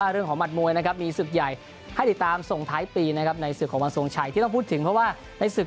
เรื่องของหมาตรมวยนะครับมีศึกใหญ่ให้ติดตามส่งท้ายปีนะครับในศึกของบรรทหลังในที่ต้องพูดถึงเพราะว่าในศึก